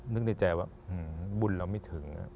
นึกในใจว่าบุญเราไม่ถึง